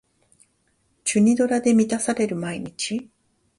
チュニドラで満たされる毎日